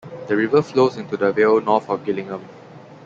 The river flows into the vale north of Gillingham.